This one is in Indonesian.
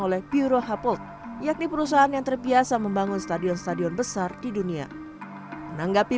oleh pure hublet yakni perusahaan yang terbiasa membangun stadion stadion besar di dunia menanggapi